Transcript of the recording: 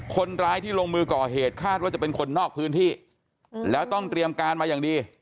คนร้ายที่ลงมือก่อเหตุคาดว่าจะเป็นคนนอกพื้นที่แล้วต้องเตรียมการมาอย่างดี